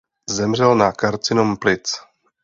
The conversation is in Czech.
Zemřel na karcinom plic.